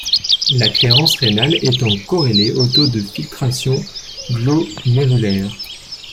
La clairance rénale étant corrélée au taux de filtration glomérulaire.